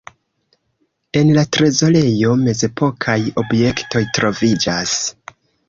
En la trezorejo mezepokaj objektoj troviĝas.